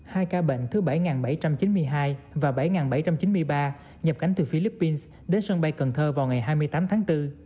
hai ca bệnh thứ bảy bảy trăm chín mươi hai và bảy bảy trăm chín mươi ba nhập cảnh từ philippines đến sân bay cần thơ vào ngày hai mươi tám tháng bốn